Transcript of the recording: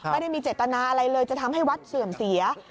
ไม่ได้มีเจตนาอะไรเลยจะทำให้วัดเสื่อมเสีย